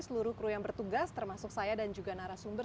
seluruh kru yang bertugas termasuk saya dan juga narasumber